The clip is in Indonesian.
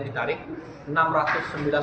mn diperlukan untuk menjadikan proses penyelidikan